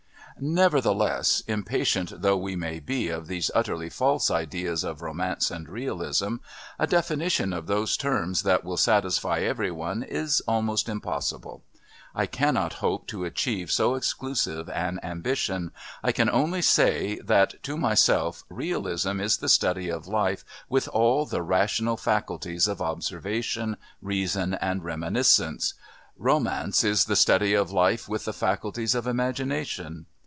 Nevertheless, impatient though we may be of these utterly false ideas of Romance and Realism, a definition of those terms that will satisfy everyone is almost impossible. I cannot hope to achieve so exclusive an ambition I can only say that to myself Realism is the study of life with all the rational faculties of observation, reason and reminiscence Romance is the study of life with the faculties of imagination.